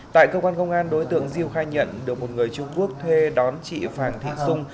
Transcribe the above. tại cơ quan công an đối tượng diêu khai nhận được một người trung quốc thuê đón chị phàng thị xung